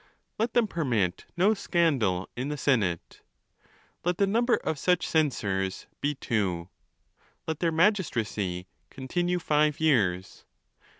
Let them permit no scandal in the senate. Let the number of such censor#be two. Let their magistracy continue five years.